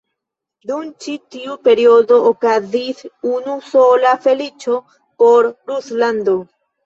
Dum ĉi tiu periodo okazis unu sola feliĉo por Ruslando.